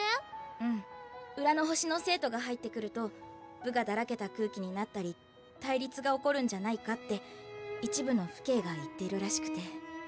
うん浦の星の生徒が入ってくると部がだらけた空気になったり対立が起こるんじゃないかって一部の父兄が言っているらしくて。